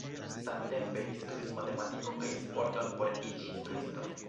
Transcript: Samtempe li studis matematikon kaj sporton por iĝi instruisto.